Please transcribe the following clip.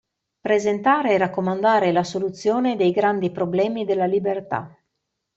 Presentare e raccomandare la soluzione dei grandi problemi della libertà.